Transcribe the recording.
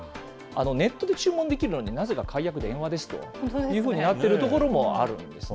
ネットで注文できるのに、なぜか解約電話ですというふうになってるところもあるんですね。